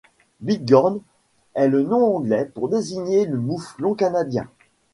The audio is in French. Bighorn est le nom anglais pour désigner le mouflon canadien.